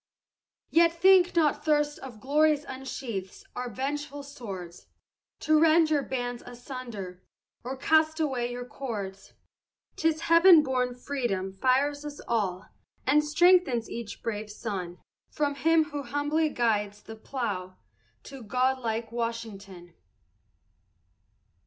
Yet think not thirst of glory unsheaths our vengeful swords To rend your bands asunder, or cast away your cords, 'Tis heaven born freedom fires us all, and strengthens each brave son, From him who humbly guides the plough, to god like Washington.